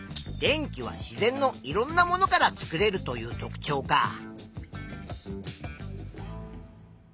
電気は自然のいろんなものから作れるという特ちょうか。